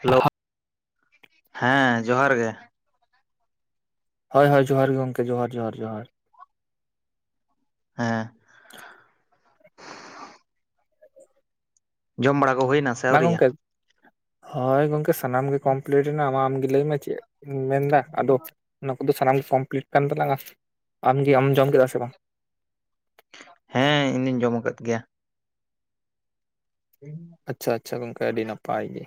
Hello! ᱦᱮᱸ ᱡᱚᱦᱟᱨ ᱜᱮ᱾ ᱦᱚᱭ ᱦᱚᱭ ᱡᱚᱦᱟᱨ ᱜᱮ ᱜᱚᱝᱠᱮ, ᱡᱚᱦᱟᱨ ᱡᱚᱦᱟᱨ ᱡᱚᱦᱟᱨ ᱾ ᱦᱮᱸ᱾ ᱡᱚᱢ ᱵᱟᱲᱟ ᱠᱚ ᱦᱚᱭ ᱱᱟ? ᱢᱟ ᱜᱚᱝᱠᱮ, ᱦᱚᱭ ᱜᱚᱝᱠᱮ ᱥᱟᱱᱟᱢ ᱜᱮ ᱠᱚᱢᱯᱞᱤᱴ ᱮᱱᱟ ᱟᱢ ᱟᱢ ᱜᱮ ᱞᱟᱹᱭ ᱢᱮ ᱪᱮᱜ ᱢᱮᱱ ᱫᱟ ᱟᱫᱚ, ᱚᱱᱟ ᱠᱚᱫᱚ ᱥᱟᱱᱟᱢ ᱜᱮ ᱠᱚᱢᱯᱞᱤᱴ ᱠᱟᱱ ᱛᱟᱞᱟᱝᱟ ᱾ ᱟᱢ ᱜᱮ ᱟᱢ ᱡᱚᱢ ᱠᱮᱫᱟ ᱥᱮ ᱵᱟ? ᱦᱮᱸ, ᱤᱧ ᱫᱩᱧ ᱡᱚᱢ ᱟᱠᱟᱜ ᱜᱮᱭᱟ᱾ ᱟᱪᱪᱷᱟ ᱟᱪᱪᱷᱟ ᱜᱚᱝᱠᱮ ᱟᱹᱰᱤ ᱱᱟᱯᱟᱭ ᱜᱮ,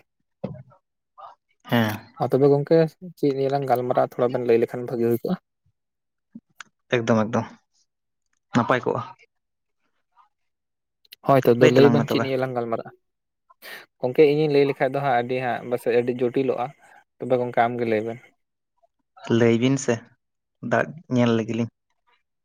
ᱦᱮᱸ ᱢᱟ ᱛᱚᱵᱮ ᱜᱚᱝᱠᱮ ᱪᱮᱜ ᱱᱤᱭᱟᱹ ᱞᱟᱝ ᱜᱟᱞᱢᱟᱨᱟᱜᱼᱟ ᱛᱷᱚᱲᱟ ᱵᱮᱱ ᱞᱟᱹᱭ ᱞᱮᱠᱷᱟᱱ ᱵᱷᱟᱹᱜᱤ ᱦᱩᱭ ᱠᱚᱜᱼᱟ! ᱮᱠᱫᱚᱢ ᱮᱠᱫᱚᱢ ᱱᱟᱯᱟᱭ ᱠᱚᱜᱼᱟ ᱾ ᱦᱚᱭ ᱛᱚ ᱟᱫᱚ ᱞᱟᱹᱭ ᱛᱟᱞᱟᱝ ᱢᱮ ᱵᱮᱱ ᱪᱮᱫ ᱛᱚᱵᱮ ᱱᱤᱭᱟᱹ ᱞᱟᱝ ᱜᱟᱞᱢᱟᱨᱟᱜᱼᱟ? ᱜᱚᱝᱠᱮ ᱤᱧᱤᱧ ᱞᱟᱹᱭ ᱞᱮᱠᱷᱟᱡ ᱫᱚ ᱦᱟᱸᱜ ᱟᱹᱰᱤ ᱦᱟᱸᱜ ᱵᱟᱥᱮᱜ ᱟᱹᱰᱤ ᱡᱚᱴᱤᱞᱚᱜᱼᱟ! ᱛᱚᱵᱮ ᱜᱚᱝᱠᱮ ᱟᱢ ᱜᱮ ᱞᱟᱹᱭ ᱵᱮᱱ ᱾ ᱞᱟᱹᱭ ᱵᱤᱱ ᱥᱮ ᱫᱟᱜ ᱧᱮᱞ ᱞᱮᱜᱤᱞᱤᱧ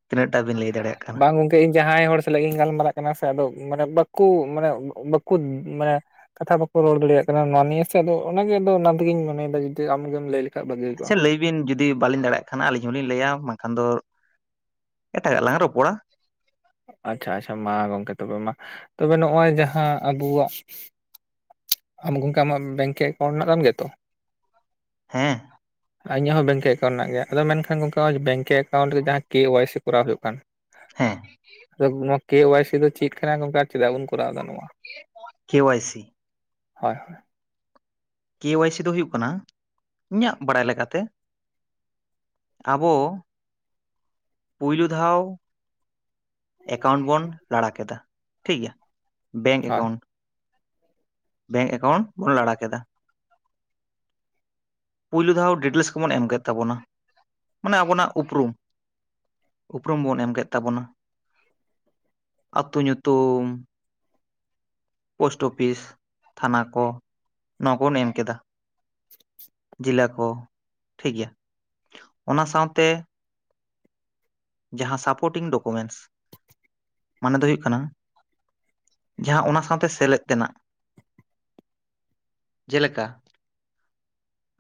ᱛᱤᱱᱟᱹᱜ ᱴᱟ ᱵᱤᱱ ᱞᱟᱹᱭ ᱫᱟᱲᱮᱭᱟᱜ ᱠᱟᱱᱟ! ᱥᱮ ᱤᱧ ᱡᱟᱦᱟᱸᱭ ᱦᱚᱲ ᱥᱟᱞᱟᱜ ᱤᱧ ᱜᱟᱞᱢᱟᱨᱟᱜ ᱠᱟᱱᱟ ᱥᱮ ᱟᱫᱚ ᱢᱟᱱᱮ ᱵᱟᱹᱠᱩ ᱢᱟᱱᱮ ᱵᱟᱹᱠᱩᱫ ᱢᱟᱱᱮ ᱠᱟᱛᱷᱟ ᱵᱟᱹᱠᱚ ᱨᱚᱲ ᱫᱟᱲᱮᱭᱟᱜ ᱠᱟᱱᱟ ᱱᱚᱣᱟ ᱱᱤᱭᱟᱹ ᱥᱮ ᱟᱫᱚ ᱚᱱᱟ ᱜᱮ ᱟᱫᱚ ᱚᱱᱟ ᱛᱤᱜᱤᱧ ᱢᱚᱱᱮᱭ ᱫᱟ ᱡᱩᱫᱤ ᱟᱢ ᱜᱮᱢ ᱞᱟᱹᱭ ᱞᱮ ᱟᱪᱪᱷᱟ ᱞᱟᱹᱭ ᱵᱤᱱ ᱡᱩᱫᱤ ᱵᱟᱞᱤᱧ ᱫᱟᱲᱮᱭᱟᱜ ᱠᱷᱟᱱ ᱟᱞᱤᱧ ᱦᱚᱸ ᱞᱤᱧ ᱞᱟᱹᱭᱟ, ᱵᱟᱝᱠᱷᱟᱱ ᱫᱚ ᱮᱴᱟ ᱜᱟᱜ ᱞᱟᱝ ᱨᱚᱯᱚᱲᱟ᱾ ᱟᱪᱪᱷᱟ ᱟᱪᱷᱟ ᱢᱟ ᱜᱚᱝᱠᱮ ᱛᱚᱵᱮ ᱢᱟ, ᱛᱚᱵᱮ ᱱᱚᱜᱼᱚᱭ ᱡᱟᱦᱟᱸ ᱟᱵᱩᱣᱟᱜ ᱟᱢ ᱜᱚᱝᱠᱮ ᱟᱢᱟᱜ ᱵᱮᱝᱠᱮ ᱮᱠᱟᱣᱩᱱᱴ ᱢᱮᱱᱟᱜ ᱛᱟᱢ ᱜᱮᱭᱟ ᱛᱚ? ᱦᱮᱸ᱾ ᱟᱨ ᱤᱧᱟᱜ ᱦᱚᱸ ᱵᱮᱝᱠᱮ ᱮᱠᱟᱣᱩᱱ ᱢᱮᱱᱟᱜ ᱜᱮᱭᱟ, ᱟᱫᱚ ᱢᱮᱱᱠᱷᱟᱱ ᱜᱚᱝᱠᱮ ᱱᱚᱜᱼᱚᱭ ᱵᱮᱝᱠᱮ ᱮᱠᱟᱣᱩᱱᱴ ᱨᱮ ᱡᱟᱦᱟᱸ ᱠᱮ ᱣᱟᱭ ᱥᱤ ᱠᱚᱨᱟᱣ ᱦᱩᱭᱩᱜ ᱠᱟᱱ ᱦᱮᱸ ᱾ ᱟᱫᱚ ᱱᱚᱣᱟ ᱠᱮ ᱣᱟᱭ ᱥᱤ ᱫᱚ ᱪᱤᱫ ᱠᱟᱱᱟ ᱜᱚᱝᱠᱮ ᱟᱨ ᱪᱮᱫᱟᱜ ᱵᱩᱱ ᱠᱚᱨᱟᱣ ᱫᱟ ᱱᱚᱣᱟ? K Y C! ᱦᱚᱭ, ᱦᱚᱭ᱾ ᱠᱮ ᱣᱟᱭ ᱥᱤ ᱫᱚ ᱦᱩᱭᱩᱜ ᱠᱟᱱᱟ ᱤᱧᱟᱜ ᱵᱟᱲᱟᱭ ᱞᱮᱠᱟ ᱛᱮ ᱟᱵᱚ ᱯᱩᱭᱞᱩ ᱫᱷᱟᱣ ᱮᱠᱟᱣᱩᱱᱴ ᱵᱚᱱ ᱞᱟᱲᱟ ᱠᱮᱫᱟ, ᱴᱷᱤᱠ ᱜᱮᱭᱟ ᱵᱮᱝᱠ ᱦᱳᱭ ᱮᱠᱟᱣᱩᱱᱴ ᱾ ᱵᱮᱝᱠ ᱮᱠᱟᱣᱩᱱᱴ ᱵᱚᱱ ᱞᱟᱲᱟ ᱠᱮᱫᱟ ᱾ ᱯᱩᱭᱞᱩ ᱫᱷᱟᱣ ᱰᱤᱴᱮᱞᱥ ᱠᱚᱵᱚᱱ ᱮᱢ ᱠᱮᱫ ᱛᱟᱵᱚᱱᱟ [inaudible] ᱢᱟᱱᱮ ᱟᱵᱚᱱᱟᱜ ᱩᱯᱨᱩᱢ᱾ ᱩᱯᱨᱩᱢ ᱵᱚᱱ ᱮᱢ ᱠᱮᱫ ᱛᱟᱵᱚᱱᱟ [inaudible] ᱟᱛᱳ ᱧᱩᱛᱩᱢ, ᱯᱳᱥᱴ ᱚᱯᱷᱤᱥ, ᱛᱷᱟᱱᱟ ᱠᱚ ᱱᱚᱣᱟ ᱠᱚᱵᱚᱱ ᱮᱢ ᱠᱮᱫᱟ, [inaudible] ᱡᱮᱞᱟ ᱠᱚ ᱴᱷᱤᱠ ᱜᱮᱭᱟ, ᱚᱱᱟ ᱥᱟᱶᱛᱮ ᱡᱟᱦᱟᱸ ᱥᱟᱯᱳᱴᱤᱝ ᱰᱚᱠᱳᱢᱮᱱᱴᱥ [inaudible] ᱢᱟᱱᱮ ᱫᱚ ᱦᱩᱭᱩᱜ ᱠᱟᱱᱟ, ᱡᱟᱦᱟᱸ ᱚᱱᱟ ᱥᱟᱶᱛᱮ ᱥᱮᱞᱮᱫ ᱛᱮᱱᱟᱜ, [inaudible] ᱡᱮᱞᱮᱠᱟ-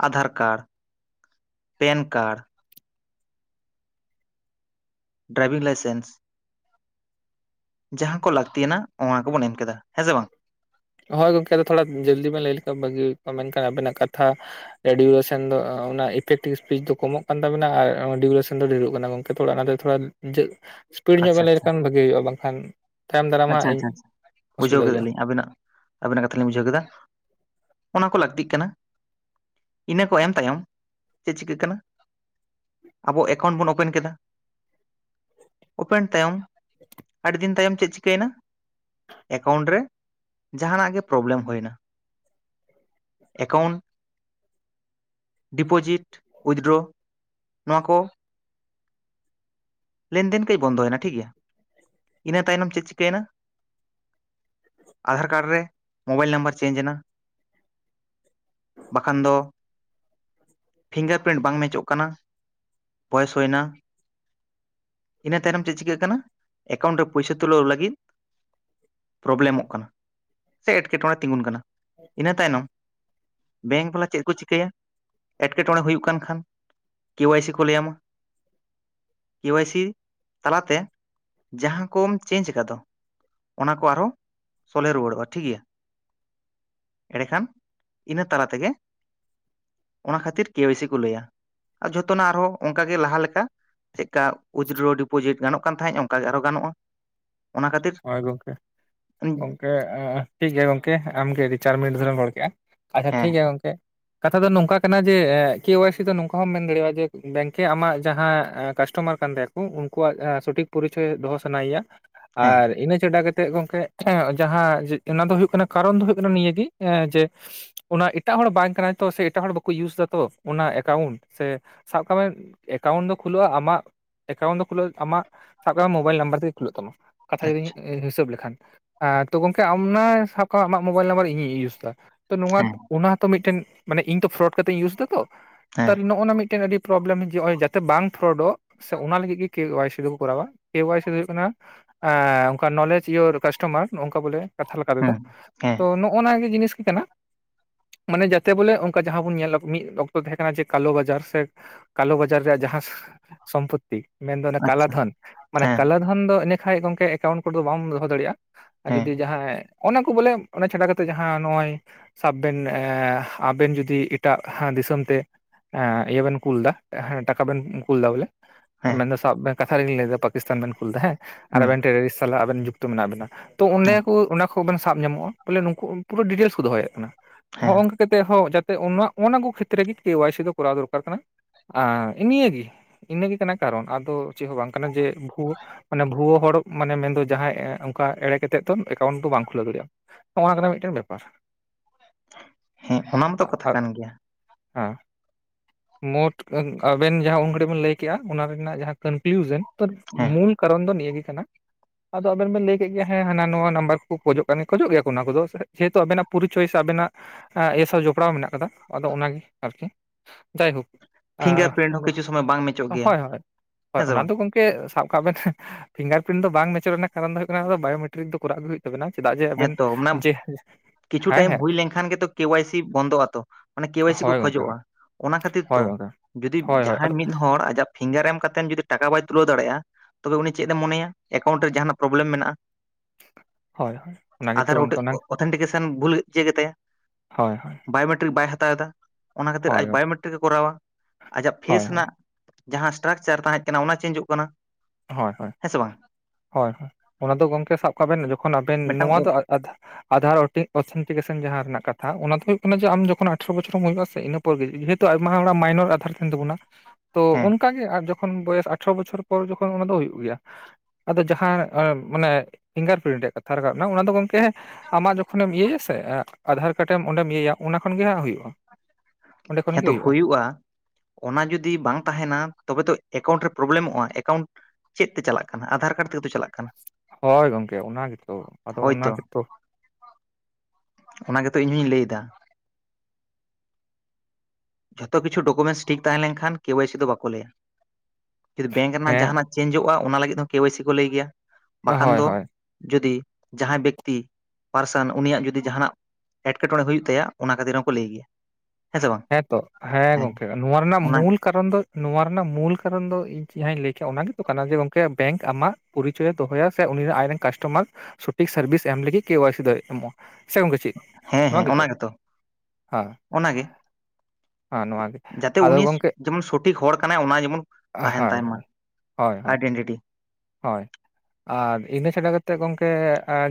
Aadhaar card, PAN card driving licence, ᱡᱟᱦᱟᱸ ᱠᱚ ᱞᱟᱹᱠᱛᱤᱭᱟᱱᱟ ᱚᱱᱟ ᱠᱚᱵᱚᱱ ᱮᱢ ᱠᱮᱫᱟ ᱦᱮᱸᱥᱮ ᱵᱟᱝ, ᱦᱳᱭ ᱜᱚᱝᱠᱮ ᱟᱫᱚ ᱛᱷᱚᱲᱟ ᱡᱚᱞᱫᱤ ᱵᱮᱱ ᱞᱟᱹᱭ ᱞᱮᱠᱷᱟᱡ ᱵᱷᱟᱹᱜᱤ ᱦᱩᱭ ᱠᱚᱜ-ᱟ ᱢᱮᱱᱠᱷᱟᱱ ᱟᱵᱮᱱᱟᱜ ᱠᱟᱛᱷᱟ ᱰᱤᱭᱩᱨᱮᱥᱚᱱ ᱫᱚ ᱚᱱᱟ ᱤᱯᱷᱮᱠᱴᱤᱵᱷ ᱥᱯᱤᱡ ᱫᱚ ᱠᱚᱢᱚᱜ ᱠᱟᱱ ᱛᱟᱵᱮᱱᱟ ᱟᱨ ᱰᱤᱭᱩᱨᱮᱥᱚᱱ ᱫᱚ ᱰᱷᱮᱨᱚᱜ ᱠᱟᱱᱟ ᱜᱚᱝ ᱠᱮ ᱛᱷᱚᱲᱟ ᱚᱱᱟᱛᱮ ᱛᱷᱚᱲᱟ ᱡᱮ ᱥᱯᱤᱰ ᱧᱚᱜ ᱟᱪᱪᱷᱟ ᱵᱤᱱ ᱞᱟᱹᱭ ᱟᱪᱪᱷᱟ ᱞᱮᱠᱷᱟᱱ ᱵᱷᱟᱜᱤ ᱦᱩᱭᱩᱜ-ᱟ ᱵᱟᱝᱠᱷᱟᱱ ᱛᱟᱭᱚᱢ ᱫᱟᱨᱟᱢ ᱦᱟᱸᱜ ᱟᱪᱪᱷᱟ ᱤᱧ ᱟᱪᱪᱷᱟ ᱵᱩᱡᱷᱟᱹᱣ ᱚᱥᱩᱵᱤᱫᱟ ᱦᱩᱭᱩᱜᱼᱟ ᱠᱮᱫᱟᱞᱤᱧ ᱟᱵᱤᱱᱟᱜ ᱟᱵᱤᱱᱟᱜ ᱠᱟᱛᱷᱟ ᱞᱤᱧ ᱵᱩᱡᱷᱟᱹᱣ ᱠᱮᱫᱟ᱾ ᱚᱱᱟ ᱠᱚ ᱞᱟᱹᱠᱛᱤᱜ ᱠᱟᱱᱟ, ᱤᱱᱟᱹ ᱠᱚ ᱮᱢ ᱛᱟᱭᱚᱢ ᱪᱮᱫ ᱪᱤᱠᱟᱹᱜ ᱠᱟᱱᱟ, ᱟᱵᱚ ᱮᱠᱟᱣᱩᱱᱴ ᱵᱚᱱ ᱳᱯᱮᱱ ᱠᱮᱫᱟ, ᱳᱯᱮᱱ ᱛᱟᱭᱚᱢ [inaudible] ᱟᱹᱰᱤ ᱫᱤᱱ ᱛᱟᱭᱚᱢ ᱪᱮᱜ ᱪᱤ ᱠᱟᱹᱭᱱᱟ ᱮᱠᱟᱣᱩᱱᱴ ᱨᱮ ᱡᱟᱦᱟᱱᱟᱜ ᱜᱮ ᱯᱨᱚᱵᱞᱮᱢ ᱦᱳᱭᱱᱟ, ᱮᱠᱟᱣᱩᱱᱴ ᱰᱤᱯᱚᱡᱤᱴ ᱩᱭᱤᱫᱽᱰᱨᱚ ᱱᱚᱣᱟ ᱠᱚ ᱞᱮᱱᱫᱮᱱ ᱠᱟᱹᱡ ᱵᱚᱱᱫᱚᱭᱮᱱᱟ ᱴᱷᱤᱠ ᱜᱮᱭᱟ ᱤᱱᱟᱹ ᱛᱟᱭᱱᱚᱢ ᱪᱮᱫ ᱪᱤᱠᱟᱹᱭᱮᱱᱟ ᱟᱫᱷᱟᱨ ᱠᱟᱨᱰ ᱨᱮ ᱢᱳᱵᱟᱭᱤᱞ ᱱᱟᱢᱵᱟᱨ ᱪᱮᱧᱡᱽ ᱮᱱᱟ, ᱵᱟᱠᱷᱟᱱ ᱫᱚ ᱯᱷᱤᱝᱜᱟᱨ ᱯᱨᱤᱱᱴ ᱵᱟᱝ ᱢᱮᱪᱚᱜ ᱠᱟᱱᱟ, ᱵᱚᱭᱚᱥ ᱦᱩᱭᱱᱟ ᱤᱱᱟᱹ ᱛᱟᱭᱱᱚᱢ ᱪᱮᱜ ᱪᱤᱠᱟᱹᱜ ᱠᱟᱱᱟ ᱮᱠᱟᱣᱩᱱᱴ ᱨᱮ ᱯᱩᱭᱥᱟᱹ ᱛᱩᱞᱟᱹᱣ ᱞᱟᱹᱜᱤᱫ ᱯᱨᱚᱵᱞᱮᱢᱚᱜ ᱠᱟᱱᱟ ᱥᱮ ᱮᱸᱴᱠᱮᱴᱚᱬᱮ ᱛᱤᱸᱜᱩᱱ ᱠᱟᱱᱟ, ᱤᱱᱟᱹ ᱛᱟᱭᱱᱚᱢ, ᱵᱮᱝᱠ ᱵᱟᱞᱟ ᱪᱮᱫ ᱠᱚ ᱪᱤᱠᱟᱹᱭᱟ ᱮᱸᱴᱠᱮᱴᱚᱬᱮ ᱦᱩᱭᱩᱜ ᱠᱟᱱ ᱠᱷᱟᱱ ᱠᱮ ᱣᱟᱭ ᱥᱤ ᱠᱚ ᱞᱟᱹᱭᱟᱢᱟ, ᱠᱮ ᱣᱟᱭ ᱥᱤ ᱛᱟᱞᱟᱛᱮ ᱡᱟᱦᱟᱸ ᱠᱚᱢ ᱪᱮᱧᱡᱽ ᱟᱠᱟᱫ ᱫᱚ, ᱚᱱᱟ ᱠᱚ ᱟᱨᱦᱚᱸ ᱥᱚᱞᱮ ᱨᱩᱣᱟᱹᱲᱚᱜ-ᱟ ᱴᱷᱤᱠ ᱜᱮᱭᱟ᱾ ᱮᱸᱲᱮᱠᱷᱟᱱ ᱤᱱᱟᱹ ᱛᱟᱞᱟ ᱛᱮᱜᱮ ᱚᱱᱟ ᱠᱷᱟᱹᱛᱤᱨ ᱠᱮ ᱣᱟᱭ ᱥᱤ ᱠᱚ ᱞᱮᱭᱟ ᱟᱨ ᱡᱷᱚᱛᱚᱱᱟᱜ ᱟᱨᱦᱚᱸ ᱚᱝᱠᱟ ᱜᱮ ᱞᱟᱦᱟ ᱞᱮᱠᱟ ᱠᱟ ᱩᱭᱤᱫᱽᱰᱨᱚ ᱰᱤᱯᱚᱡᱤᱴ ᱜᱟᱱᱚᱜ ᱠᱟᱱ ᱛᱟᱦᱮᱸᱡ ᱚᱝᱠᱟᱜᱮ ᱟᱨᱚ ᱜᱟᱱᱚᱜ-ᱟ᱾ ᱦᱳᱭ ᱜᱚᱝᱠᱮ ᱜᱚᱝᱠᱮ ᱴᱷᱤᱠ ᱜᱮᱭᱟ ᱜᱚᱝᱠᱮ ᱟᱢᱜᱮ ᱟᱹᱰᱤ ᱪᱟᱨ ᱢᱤᱱᱤᱴ ᱫᱷᱚᱨᱮᱢ ᱨᱚᱲ ᱠᱮᱜ-ᱟ᱾ ᱟᱪᱪᱷᱟ ᱴᱷᱤᱠ ᱜᱮᱭᱟ ᱜᱚᱝᱠᱮ᱾ ᱠᱟᱛᱷᱟ ᱫᱚ ᱱᱚᱝᱠᱟ ᱠᱟᱱᱟ ᱡᱮ ᱠᱮ ᱣᱟᱭ ᱥᱤ ᱫᱚ ᱱᱚᱝᱠᱟ ᱦᱚᱢ ᱢᱮᱱ ᱫᱟᱲᱮᱭᱟᱜ-ᱟ ᱡᱮ, ᱵᱮᱝᱠᱮ ᱟᱢᱟᱜ ᱡᱟᱦᱟᱸ ᱠᱟᱥᱴᱚᱢᱟᱨ ᱠᱟᱱ ᱛᱟᱭᱟᱠᱚ ᱩᱱᱠᱩᱣᱟᱜ ᱟ ᱥᱚᱴᱷᱤᱠ ᱯᱚᱨᱤᱪᱚᱭ ᱫᱚᱦᱚ ᱥᱟᱱᱟᱭᱮᱭᱟ ᱦᱮᱸ ᱟᱨ ᱤᱱᱟᱹ ᱪᱷᱟᱰᱟ ᱠᱟᱛᱮᱜ ᱜᱚᱝᱠᱮ ᱦᱮᱸ ᱡᱟᱦᱟᱸ ᱡᱮ ᱚᱱᱟ ᱫᱚ ᱦᱩᱭᱩᱜ ᱠᱟᱱᱟ ᱠᱟᱨᱚᱱ ᱫᱚ ᱦᱩᱭᱩᱜ ᱠᱟᱱᱟ ᱱᱤᱭᱟᱹ ᱜᱤ ᱮᱸᱻ ᱡᱮ ᱚᱱᱟ ᱮᱴᱟᱜ ᱦᱚᱲ ᱵᱟᱝ ᱠᱟᱱᱟᱭ ᱛᱚ ᱥᱮ ᱮᱴᱟᱜ ᱦᱚᱲ ᱵᱟᱠᱚ ᱤᱭᱩᱥ ᱫᱟᱛᱚ ᱚᱱᱟ ᱮᱠᱟᱣᱩᱱᱴ ᱥᱮ ᱥᱟᱵ ᱠᱟᱜ ᱢᱮ, ᱮᱠᱟᱣᱩᱱᱴ ᱫᱚ ᱠᱷᱩᱞᱚᱣ-ᱟ ᱟᱢᱟᱜ ᱮᱠᱟᱣᱩᱱᱴ ᱫᱚ ᱠᱷᱩᱞᱟᱹᱜ-ᱟ, ᱟᱢᱟᱜ ᱥᱟᱵ ᱠᱟᱜ ᱢᱮ ᱢᱳᱵᱟᱭᱤᱞ ᱱᱟᱢᱵᱟᱨ ᱛᱮᱜᱮ ᱠᱷᱩᱞᱟᱹᱜ ᱛᱟᱢᱟ᱾ ᱠᱟᱛᱷᱟ ᱡᱩᱫᱤᱧ ᱟᱪᱪᱷᱟ ᱦᱤᱥᱟᱹᱵ ᱞᱮᱠᱷᱟᱱ ᱮᱸᱻ ᱛᱚ ᱜᱚᱝᱠᱮ ᱟᱢ ᱚᱱᱟ ᱥᱟᱵ ᱠᱟᱜ ᱢᱮ ᱟᱢᱟᱜ ᱢᱳᱵᱟᱭᱤᱞ ᱱᱟᱢᱵᱟᱨ ᱤᱧᱤᱧ ᱤᱭᱩᱥ ᱫᱟ, ᱛᱚ ᱱᱚᱣᱟ ᱦᱮᱸ ᱚᱱᱟ ᱦᱚᱸᱛᱚ ᱢᱤᱫᱴᱮᱱ ᱢᱟᱱᱮ ᱤᱧ ᱛᱚ ᱯᱷᱨᱚᱰ ᱠᱟᱛᱮᱜ ᱤᱧ ᱤᱭᱩᱥ ᱫᱟᱛᱚ ᱛᱟ ᱦᱮᱸ ᱱᱚᱜ-ᱚ ᱱᱚᱣᱟ ᱢᱤᱫᱴᱮᱱ ᱟᱹᱰᱤ ᱯᱨᱚᱵᱞᱮᱢ ᱡᱮ ᱚᱭ ᱡᱟᱛᱮ ᱵᱟᱝ ᱯᱷᱨᱚᱰᱚᱜ ᱥᱮ ᱚᱱᱟ ᱞᱟᱹᱜᱤᱜ ᱜᱮ ᱠᱮ ᱣᱟᱭ ᱥᱤ ᱫᱚᱠᱚ ᱠᱚᱨᱟᱣᱟ᱾ ᱠᱮ ᱣᱟᱭ ᱥᱤ ᱫᱚ ᱦᱳᱭᱳᱜ ᱠᱟᱱᱟ ᱚᱝᱠᱟ ᱱᱚᱞᱮᱡ ᱤᱭᱳᱨ ᱠᱟᱥᱴᱚᱢᱟᱨ ᱱᱚᱜᱼᱚᱝᱠᱟ ᱵᱚᱞᱮ᱾ ᱠᱟᱛᱷᱟ ᱞᱮᱠᱟ ᱛᱮᱫᱚ ᱦᱮᱸ ᱦᱮᱸ ᱛᱚ ᱱᱚᱜᱼᱚᱱᱟ ᱜᱮ ᱡᱤᱱᱤᱥ ᱜᱮ ᱠᱟᱱᱟ᱾ ᱢᱟᱱᱮ ᱡᱟᱛᱮ ᱵᱚᱞᱮ ᱚᱝᱠᱟ ᱡᱟᱦᱟᱸ ᱵᱚᱱ ᱧᱮᱞ ᱢᱤᱫ ᱚᱠᱛᱚ ᱛᱟᱦᱮᱸ ᱠᱟᱱᱟ ᱡᱮ ᱠᱟᱞᱳ ᱵᱟᱡᱟᱨ ᱥᱮ ᱠᱟᱞᱳ ᱵᱟᱡᱟᱨ ᱨᱮᱭᱟᱜ ᱡᱟᱦᱟᱸ ᱥᱚᱢᱯᱚᱛ ᱢᱮᱱᱫᱚ ᱚᱱᱟ ᱟᱪᱪᱷᱟ ᱠᱟᱞᱟᱫᱷᱚᱱ ᱢᱟᱱᱮ ᱦᱮᱸ ᱠᱟᱞᱟᱫᱷᱚᱱ ᱫᱚ ᱤᱱᱹ ᱠᱷᱟᱱᱡ ᱜᱚᱝᱠᱮ ᱮᱠᱟᱣᱩᱱᱴ ᱠᱚᱨᱮᱫᱚ ᱵᱟᱢ ᱫᱚᱦᱚ ᱫᱟᱲᱮᱭᱟᱜᱼᱟ᱾ ᱟᱨ ᱦᱮᱸ ᱡᱩᱫᱤ ᱡᱟᱦᱟᱸ ᱚᱱᱟ ᱠᱚ ᱵᱚᱞᱮ ᱚᱱᱟ ᱪᱷᱟᱰᱟ ᱠᱟᱛᱮᱜ ᱡᱟᱦᱟᱸ ᱱᱚᱜᱼᱚᱭ ᱥᱟᱵᱵᱮᱱ ᱟᱵᱮᱱ ᱡᱩᱫᱤ ᱮᱴᱟᱜ ᱫᱤᱥᱚᱢ ᱛᱮ ᱮᱸ ᱤᱭᱟᱹ ᱵᱮᱱ ᱠᱩᱞ ᱫᱟ ᱦᱮᱸ ᱴᱟᱠᱟ ᱵᱮᱱ ᱠᱩᱞ ᱫᱟ ᱵᱚᱞᱮ᱾ ᱦᱮᱸ ᱢᱮᱱ ᱫᱚ ᱥᱟᱵ ᱠᱟᱛᱷᱟ ᱨᱮᱜᱤᱧ ᱞᱟᱹᱭᱫᱟ ᱯᱟᱠᱤᱥᱛᱟᱱ ᱵᱮᱱ ᱠᱩᱞ ᱮᱫᱟ ᱦᱮᱸ ᱟᱨ ᱦᱩᱸ ᱟᱵᱮᱱ ᱴᱮᱮᱨᱟᱨᱤᱥᱴ ᱥᱟᱞ ᱟᱮᱱ ᱡᱩᱠ ᱢᱮᱱᱟᱜ ᱵᱮᱱᱟ ᱛᱚ ᱚᱸᱰᱮ ᱦᱩᱸ ᱚᱱᱟ ᱠᱚ ᱥᱟᱵ ᱧᱟᱢᱚᱜᱼᱟ ᱵᱚᱞᱮ ᱱᱩᱠᱩ ᱯᱩᱨᱟᱹ ᱰᱤᱴᱮᱞᱥ ᱠᱚ ᱫᱚᱦᱚᱭᱮᱫ ᱠᱟᱱᱟ᱾ ᱦᱚᱝᱼ ᱦᱮᱸ ᱱᱚᱝᱠᱟ ᱠᱟᱛᱮᱫ ᱦᱚᱸ ᱡᱟᱛᱮᱜ ᱚᱱᱟ ᱠᱚ ᱠᱷᱮᱛ ᱨᱮᱜᱮ ᱠᱮ ᱣᱟᱭᱥᱤ ᱫᱚ ᱠᱚᱨᱟᱣ ᱫᱚᱨᱠᱟᱨ ᱠᱟᱱᱟ᱾ ᱟ ᱱᱤᱭᱟᱹᱜᱮ ᱤᱱᱟᱹᱜᱮ ᱠᱟᱱᱟ ᱠᱟᱨᱚᱱ ᱟᱫᱚ ᱪᱮ ᱦᱚᱸ ᱵᱟᱝ ᱠᱟᱱᱟ ᱡᱮ ᱵᱷᱩ ᱢᱟᱱᱮ ᱵᱷᱩᱣᱟᱹ ᱦᱚᱲ ᱢᱟᱱᱮ ᱢᱮᱱᱫᱚ ᱡᱟᱦᱟᱸᱭ ᱚᱱᱠᱟ ᱮᱲᱮ ᱠᱟᱛᱮ ᱮᱫ ᱛᱚ ᱮᱠᱟᱣᱩᱱᱴ ᱫᱚ ᱵᱟᱢ ᱠᱷᱩᱞᱟᱹᱣ ᱫᱟᱲᱮᱭᱟᱜᱼᱟ᱾ ᱱᱚᱣᱟ ᱨᱮᱱᱟᱜ ᱢᱤᱫᱴᱮᱱ ᱵᱮᱯᱟᱨ᱾ ᱦᱮᱸ ᱚᱱᱟ ᱢᱟᱛᱚ ᱠᱟᱛᱷᱟ ᱟᱨ ᱠᱟᱱ ᱜᱮᱭᱟ᱾ ᱦᱮᱸ ᱢᱳᱴ ᱟᱵᱮᱱ ᱡᱟᱦᱟᱸ ᱩᱱ ᱜᱷᱟᱹᱲᱤᱡ ᱵᱮᱱ ᱞᱟᱹᱭ ᱠᱮᱜᱼᱟ ᱚᱱᱟ ᱨᱮᱱᱟᱜ ᱡᱟᱦᱟᱸ ᱠᱟᱱᱠᱩᱞᱩᱡᱚᱱ ᱦᱮᱸ ᱢᱩᱞ ᱠᱟᱨᱚᱱ ᱫᱚ ᱱᱤᱭᱟᱹ ᱜᱮ ᱠᱟᱱᱟ᱾ ᱟᱫᱚ ᱟᱵᱮᱱ ᱵᱮᱮᱱ ᱞᱟᱹᱭ ᱠᱮᱫ ᱜᱮᱭᱟ ᱦᱮᱸ ᱦᱟᱱᱟ ᱱᱟ ᱱᱟᱢᱵᱟᱨ ᱠᱚᱠᱚ ᱠᱷᱚᱡᱚᱜ ᱠᱟᱱᱟ ᱠᱷᱚᱡᱚᱜ ᱜᱮᱭᱟ ᱠᱚ ᱚᱱᱟ ᱠᱚᱫᱚ ᱡᱮᱦᱮᱛᱩ ᱟᱵᱮᱱᱟᱜ ᱯᱚᱨᱤᱪᱚᱭᱮᱥ ᱟᱵᱮᱱᱟᱜ ᱮᱤᱭᱟᱹ ᱥᱟᱶ ᱡᱚᱯᱲᱟᱣ ᱢᱮᱱᱟᱜ ᱟᱠᱟᱫᱟ ᱟᱫᱚ ᱚᱱᱟᱜᱮ ᱟᱨᱠᱤ ᱡᱟᱭ ᱦᱳᱠ ᱟᱨ ᱯᱷᱤᱝᱜᱟᱨ ᱯᱨᱤᱱᱴ ᱦᱚᱸ ᱜᱳ ᱠᱤᱪᱷᱩ ᱥᱚᱢᱚᱭ ᱵᱟᱝ ᱢᱮᱪᱚᱜ ᱜᱮᱭᱟ ᱦᱳᱭ ᱦᱳᱭ ᱦᱮᱸ ᱥᱮ ᱚᱱᱟ ᱵᱟᱝ ᱫᱚ ᱜᱚᱝᱠᱮ ᱥᱟᱵ ᱠᱟᱜ ᱵᱮᱱ ᱯᱷᱤᱜᱟᱨ ᱯᱨᱤᱱᱴ ᱫᱚ ᱵᱟᱝ ᱢᱮᱪᱚᱜ ᱨᱮᱱᱟᱜ ᱠᱟᱨᱚᱱ ᱫᱚ ᱦᱩᱭᱩᱜ ᱠᱟᱱᱟ ᱵᱟᱭᱳᱢᱴᱨᱤᱠ ᱫᱚ ᱠᱚᱨ ᱜᱮ ᱦᱩᱭᱩᱜ ᱠᱟᱱᱟ᱾ ᱛᱟᱵᱮᱱᱟ ᱪᱮᱫᱟᱜ ᱡᱮ ᱟᱵᱮᱱ ᱦᱮᱸᱛᱚ ᱚᱱᱟ ᱡᱮ ᱠᱤᱪᱷᱩ ᱦᱮᱸ ᱴᱟᱭᱤᱢ ᱦᱮᱸ ᱦᱩᱭ ᱞᱮᱱᱠᱷᱟᱱ ᱜᱮᱛᱚ ᱠᱮ ᱣᱟᱭᱥᱤ ᱵᱚᱱᱫᱚᱜ ᱟ ᱛᱚ ᱠᱮ ᱣᱟᱭᱥᱤ ᱠᱚ ᱦᱳᱭ ᱜᱚᱝᱠᱮ ᱠᱷᱚᱡᱚᱜᱼᱟ᱾ ᱦᱳᱭ ᱚᱱᱟ ᱠᱷᱟᱹᱛᱤᱨ ᱦᱳᱭ ᱛᱚ ᱜᱚᱝᱠᱮ ᱡᱩᱫᱤ ᱦᱳᱭ ᱦᱳᱭ ᱡᱟᱦᱟᱸᱭ ᱟᱫᱚ ᱢᱤᱫ ᱦᱚᱲᱚᱲ ᱟᱡᱟᱜ ᱯᱷᱤᱝᱜᱟᱨ ᱮᱢ ᱠᱟᱛᱮᱢ ᱡᱩᱫᱤ ᱴᱟᱠᱟ ᱵᱟᱭ ᱛᱩᱞᱟᱹᱣ ᱫᱟᱲᱮᱭᱟᱜᱼᱟ ᱛᱚᱵᱮ ᱩᱱᱤ ᱪᱮᱫ ᱮᱢ ᱢᱚᱱᱮᱭᱟ ᱮᱠᱟᱣᱩᱱᱴ ᱨᱮ ᱡᱟᱦᱟᱱᱟᱜ ᱯᱨᱚᱵᱞᱮᱢ ᱢᱮᱱᱟᱜᱼᱟ᱾ ᱦᱳᱭ ᱦᱳᱭ ᱚᱱᱟ ᱜᱮᱛᱚ ᱟᱫᱷᱟᱨ ᱜᱚᱝᱠᱮ ᱚᱱᱟ [inaudible] ᱵᱷᱩᱞ ᱪ ᱜᱮᱛ ᱦᱳᱭ ᱦᱳᱭ ᱵᱟᱭᱳᱢᱮᱴᱨᱤᱠ ᱵᱟᱭ ᱦᱟᱛᱟᱣ ᱮᱫᱟ ᱚᱱᱟ ᱠᱷᱟᱹᱛᱤᱨ ᱦᱳᱭ ᱟᱡ ᱜᱚᱝᱠᱮ ᱵᱟᱭᱳᱢᱮᱴᱨᱤᱠ ᱮ ᱠᱚᱨᱟᱣᱟ ᱟᱡᱟᱜ ᱦᱳᱭ ᱯᱷᱮᱥ ᱦᱳᱭ ᱨᱮᱱᱟᱜ ᱡᱟᱦᱟᱸ ᱥᱴᱨᱟᱠᱪᱟᱨ ᱛᱟᱦᱮᱸ ᱠᱟᱱᱟ ᱚᱱᱟ ᱪᱮᱧᱡᱚᱜ ᱠᱟᱱᱟ᱾ ᱦᱳᱭ ᱦᱳᱭ ᱦᱮᱸ ᱥᱮ ᱵᱟᱝ ᱦᱳᱭ ᱦᱳᱭ ᱚᱱᱟ ᱫᱚ ᱜᱚᱝᱠᱮ ᱥᱟᱵᱟᱜ ᱵᱮᱱ ᱡᱚᱠᱷᱚᱱ ᱟᱵᱮᱱ [inaudible] ᱢᱤᱫᱴᱟᱝ ᱱᱚᱣᱟ ᱩ ᱫᱚ ᱟᱫᱷᱟᱨ [inaudible] ᱡᱟᱦᱟᱸ ᱨᱮᱱᱟᱜ ᱠᱟᱛᱷᱟ ᱚᱱᱟ ᱫᱚᱳᱭ ᱠᱟᱱᱟ ᱡᱮ ᱟᱚᱠᱷ ᱟᱴᱷᱚᱷᱚᱨ ᱦᱳ ᱦᱩᱭᱩᱜᱜᱥ ᱤᱱᱟᱹ [inaudible] ᱟᱭᱢᱟ ᱦᱚᱲᱟᱜ ᱢᱟᱭᱱᱨ ᱟᱫᱷᱟᱨ ᱛᱟᱦᱮᱱ ᱛᱟᱵᱚᱱᱟ᱾ ᱛᱚ ᱦᱮᱸ ᱚᱱᱠᱟᱜᱮ ᱟᱨ ᱡᱚᱠᱷᱚᱱ ᱵᱚᱭ ᱟᱴᱷᱨᱚ ᱵᱚᱪᱷᱚᱨ ᱯᱚᱨ ᱡᱚᱠᱷᱚᱱ ᱚᱱᱟ ᱫᱚ ᱦᱩᱭᱩᱜ ᱜᱮᱭᱟ᱾ ᱟᱫᱚ ᱡᱟᱦᱟᱸ ᱢᱟᱱᱮ ᱯᱷᱤᱝᱜᱟᱨ ᱯᱨᱤᱱᱴ ᱨᱮᱭᱟᱜ ᱠᱟᱛᱷᱟ ᱨᱟᱠᱟᱵ ᱮᱱᱟ ᱚᱱᱟ ᱫᱚ ᱜᱚᱝᱠᱮ ᱟᱢᱟᱜ ᱡᱚᱠᱷᱚᱱᱮᱢ ᱤᱭᱟᱹ ᱭᱟ ᱥᱮ ᱟᱫᱷᱟᱨ ᱠᱟᱨᱰᱢ ᱚᱸᱰᱮᱢ ᱤᱭᱟᱹᱭᱟ ᱚᱱᱟ ᱠᱷᱚᱱᱜ ᱜᱮ ᱦᱜ ᱦᱩᱭᱩᱜᱼᱟ ᱚᱸᱰᱮ ᱠᱷᱚᱱ ᱜᱮ ᱦᱮᱛᱚ ᱦᱩᱭᱩᱜᱼᱟ ᱚᱱᱟ ᱡᱩᱫᱤ ᱵᱟᱝ ᱛᱟᱦᱮᱱᱟ ᱛᱚᱵᱮ ᱛᱚ ᱮᱠᱟᱣᱩᱱᱴ ᱨᱮ ᱯᱨᱚᱵᱞᱮᱢᱚᱜᱼᱟ ᱮᱠᱟᱣᱩᱱᱴ ᱪᱮᱫ ᱛᱮ ᱪᱟᱞᱟᱜ ᱠᱟᱱᱟ ᱟᱫᱷᱟᱨ ᱠᱟᱨᱰ ᱛᱮᱜᱮᱛᱚ ᱪᱟᱞᱟᱜ ᱠᱟᱱᱟ᱾ ᱦᱳᱭ ᱜᱚᱝᱠᱮ ᱚᱱᱟ ᱜᱮᱛᱚ ᱟᱫᱚ ᱚᱱᱟ ᱦᱳᱭᱛᱚ ᱜᱮᱛᱚ᱾ ᱚᱱᱟ ᱜᱮᱛᱚ ᱤᱧᱦᱩᱧ ᱞᱟᱹᱭᱫᱟ᱾ ᱡᱷᱚᱛᱚ ᱠᱤᱪᱷᱩ ᱰᱚᱠᱩᱮᱱᱴᱥ ᱴᱷᱤᱠ ᱛᱟᱦᱮᱸ ᱞᱮᱱᱠᱷᱟᱱ ᱠᱮ ᱣᱟᱭᱥᱤ ᱫᱚ ᱵᱟᱠᱚ ᱞᱟᱹᱭᱟ ᱡᱩᱫᱤ ᱵᱮᱝᱠ ᱨᱮᱱᱟᱜ ᱦᱮᱸ ᱡᱟᱦᱟᱱᱟᱜ ᱪᱮᱧᱡᱚᱜᱼᱟ ᱚᱱᱟ ᱞᱟᱹᱜᱤᱫ ᱦᱚᱸ ᱠᱮ ᱣᱟᱭᱥᱤ ᱠᱚ ᱞᱟᱹᱭ ᱜᱮᱭᱟ ᱵᱟᱠᱷᱟᱱ ᱦᱳᱭ ᱫᱚ ᱦᱳᱭ ᱡᱩᱫᱤ ᱡᱟᱦᱟᱸᱭ ᱵᱮᱠᱛᱤ ᱯᱟᱨᱥᱟᱱ ᱩᱱᱤᱭᱟᱜ ᱡᱩᱫᱤ ᱡᱟᱦᱟᱱᱟᱜ ᱮᱴᱠᱮᱴᱚᱬᱮ ᱠᱚ ᱦᱩᱭᱩᱜ ᱛᱟᱭᱟ ᱚᱱᱟ ᱠᱷᱟᱹᱛᱤᱨ ᱦᱚᱸᱠᱚ ᱞᱟᱹᱭ ᱜᱮᱭᱟ᱾ ᱦᱮᱸ ᱥᱮ ᱵᱟᱝ ᱦᱮᱸᱛᱚ ᱦᱮᱸ ᱜᱚᱝᱠᱮ ᱱᱚᱣᱟ ᱨᱮᱱᱟᱜ ᱚᱱᱟ ᱢᱩᱞ ᱠᱟᱨᱚᱱ ᱫᱚ ᱱᱚᱣᱟ ᱨᱮᱱᱟᱜ ᱢᱩᱞ ᱠᱟᱨᱚᱱ ᱫᱚ ᱤᱧ ᱡᱟᱦᱟᱸᱧ ᱞᱟᱹᱭ ᱠᱮ ᱚᱱᱟᱜᱮᱛᱚ ᱠᱟᱱᱟ ᱡᱮ ᱜᱚᱝᱠᱮ ᱵᱮᱝᱠ ᱟᱢᱟᱜ ᱯᱚᱨᱤᱪᱚᱭᱮ ᱫᱚᱦᱚᱭᱟ ᱥᱮ ᱩᱱᱤ ᱟᱡᱨᱮᱱ ᱠᱟᱥᱴᱚᱢᱟᱨ ᱥᱚᱴᱷᱤᱠ ᱥᱟᱨᱵᱷᱤᱥ ᱮᱢ ᱞᱟᱹᱜᱤᱫ ᱠᱮ ᱚᱣᱟᱭᱥᱤ ᱫᱚᱭ ᱮᱢᱚᱜᱼᱟ᱾ ᱥᱮ ᱜᱚᱝᱠᱮ ᱪᱮᱫ? ᱦᱮᱸ ᱦᱮᱸ ᱚᱱᱟ ᱜᱮᱛᱚ ᱦᱮᱸ ᱚᱱᱟᱜᱮ᱾ ᱦᱮᱸ ᱱᱚᱣᱟ ᱜᱮ ᱡᱟᱛᱮ ᱟᱫᱚ ᱩᱱᱤ ᱜᱚᱝᱠᱮ ᱡᱮᱢᱚᱱ ᱥᱚᱴᱷᱤᱠ ᱦᱚᱲ ᱠᱟᱱᱟᱭ ᱚᱱᱟ ᱡᱮᱢᱚᱱ ᱛᱟᱦᱮᱱ ᱦᱳᱭ ᱦᱳᱭ ᱛᱟᱭᱢᱟ᱾ ᱦᱳᱭ ᱟᱭᱰᱮᱱᱴᱤᱴᱤ᱾ ᱦᱳᱭ ᱟᱨ ᱤᱱᱟᱹ ᱪᱷᱟᱰᱟ ᱠᱟᱛᱮᱫ ᱜᱚᱢᱠᱮ